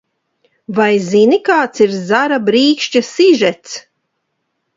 "Vai zini, kāds ir "Zara brīkšķa" sižets?"